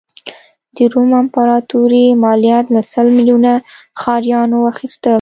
د روم امپراتوري مالیات له سل میلیونه ښاریانو اخیستل.